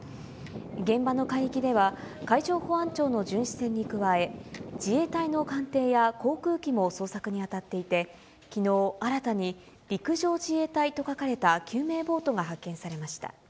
現場の海域では海上保安庁の巡視船に加え、自衛隊の艦艇や航空機も捜索に当たっていて、きのう、新たに陸上自衛隊と書かれた救命ボートが発見されました。